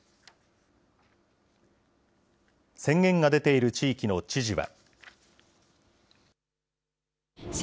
宣言が出ている地域の知事は。